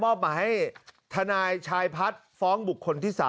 มาให้ทนายชายพัฒน์ฟ้องบุคคลที่๓